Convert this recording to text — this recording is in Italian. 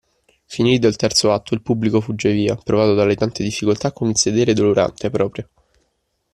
Finito il terzo atto il pubblico fugge via, provato dalle tante difficoltà, con il sedere dolorante proprio.